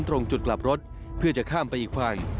ตรงจุดกลับรถเพื่อจะข้ามไปอีกฝั่ง